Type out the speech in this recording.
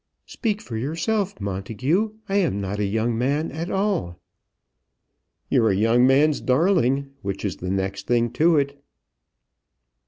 "Speak for yourself, Montagu. I am not a young man at all." "You're a young man's darling, which is the next thing to it."